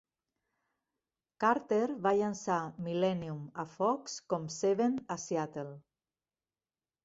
Carter va llançar "Millennium" a Fox com "Seven" a Seattle.